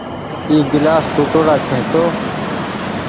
اي گلآس ٽوُٽڙآ هيتو۔